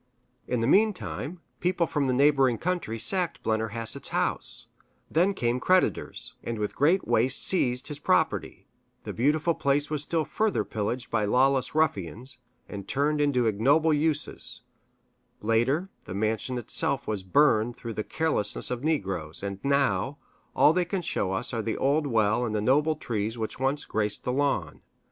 In the meantime, people from the neighboring country sacked Blennerhassett's house; then came creditors, and with great waste seized his property; the beautiful place was still further pillaged by lawless ruffians, and turned into ignoble uses; later, the mansion itself was burned through the carelessness of negroes and now, all they can show us are the old well and the noble trees which once graced the lawn.